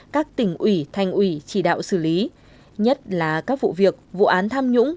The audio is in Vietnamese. các tỉnh ủy thành ủy chỉ đạo xử lý nhất là các vụ việc vụ án tham nhũng